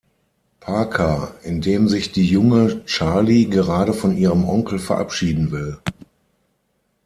Parker, in dem sich die junge Charlie gerade von ihrem Onkel verabschieden will.